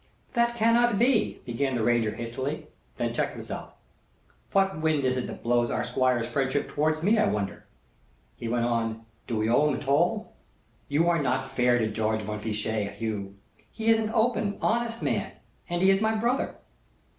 "That cannot be," began the Ranger, hastily; then checked himself. "What wind is it that blows our Squire's friendship toward me, I wonder?" he went on. "Do we owe him toll?" "You are not fair to George Montfichet, Hugh he is an open, honest man, and he is my brother."